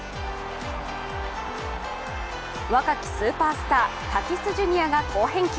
若きスーパースター、タティス・ジュニアが好返球。